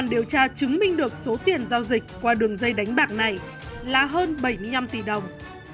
điều tra chứng minh được số tiền giao dịch qua đường dây đánh bạc này là hơn bảy mươi năm tỷ đồng